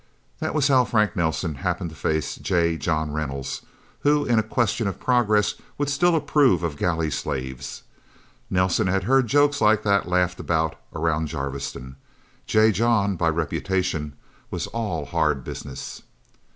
That was how Frank Nelsen happened to face J. John Reynolds, who, in a question of progress, would still approve of galley slaves. Nelsen had heard jokes like that laughed about, around Jarviston. J. John, by reputation, was all hard business.